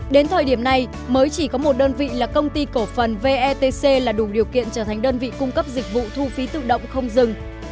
đến thời điểm này mới chỉ có một đơn vị là công ty cổ phần vetc là đủ điều kiện trở thành đơn vị cung cấp dịch vụ thu phí tự động không dừng